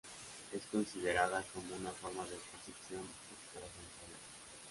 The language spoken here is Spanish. Es considerada como una forma de percepción extrasensorial.